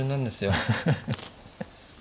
ハハハハ。